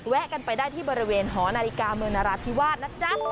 แวะกันไปได้ที่บริเวณหอนาฬิกาเมืองนราธิวาสนะจ๊ะ